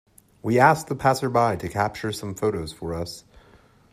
We asked the passer-by to capture some photos for us.